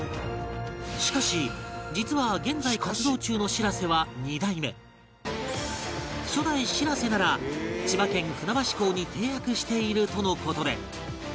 しかし実は現在活動中のしらせは２代目初代しらせなら千葉県船橋港に停泊しているとの事で